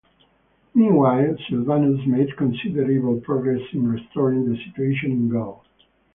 Meanwhile, Silvanus made considerable progress in restoring the situation in Gaul.